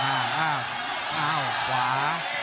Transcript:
อ้าวอ้าวขวา